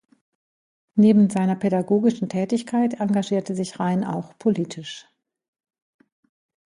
Neben seiner pädagogischen Tätigkeit engagierte sich Rein auch politisch.